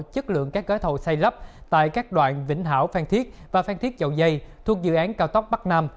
chất lượng các gói thầu xây lắp tại các đoạn vĩnh hảo phan thiết và phan thiết dầu dây thuộc dự án cao tốc bắc nam